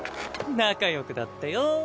仲よくだってよ